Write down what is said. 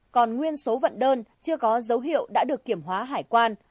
còn nguyên số vận đơn chưa có dấu hiệu đã được kiểm hóa hải quan